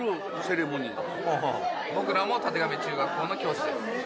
僕らも立神中学校の教師です。